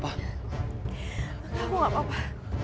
kamu enggak apa apa